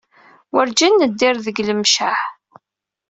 Werǧin neddir deg Lemceɛ.